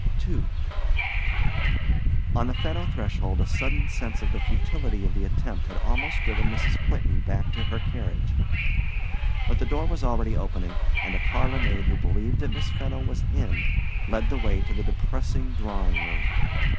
II On the Fenno threshold a sudden sense of the futility of the attempt had almost driven Mrs. Quentin back to her carriage; but the door was already opening, and a parlor maid who believed that Miss Fenno was in led the way to the depressing drawing room.